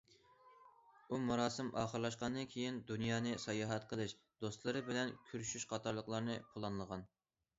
ئۇ مۇراسىم ئاخىرلاشقاندىن كېيىن دۇنيانى ساياھەت قىلىش، دوستلىرى بىلەن كۆرۈشۈش قاتارلىقلارنى پىلانلىغان.